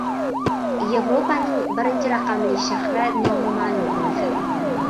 Evropaning birinchi raqamli shahri nomi ma’lum bo‘ldi